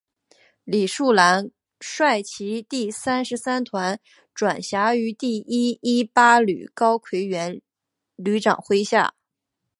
李树兰率其第三十三团转辖于第一一八旅高魁元旅长麾下。